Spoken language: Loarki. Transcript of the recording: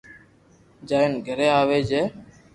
جائين گھري آوي جي